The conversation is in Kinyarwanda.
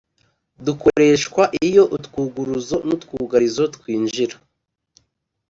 dukoreshwa iyo utwuguruzo n‟utwugarizo twinjira